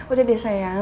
udah deh sayang